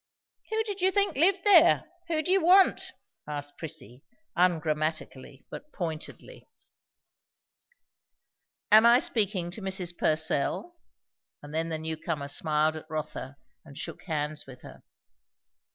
"Who did you think lived there? Who do you want?" asked Prissy, ungrammatically, but pointedly. "Am I speaking to Mrs. Purcell?" And then the new comer smiled at Rotha and shook hands with her.